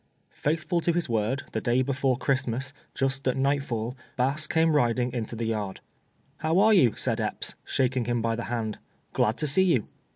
Faithftl to liis word, the clay before Christmas, just at night fall, Bass came riding into the yard. "How are yc>u," said Epps, shaking him by the hand, " glad to see you."